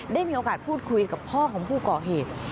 ได้มีโอกาสพูดคุยกับพ่อของผู้ก่อเหตุ